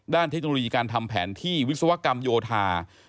เทคโนโลยีการทำแผนที่วิศวกรรมโยธา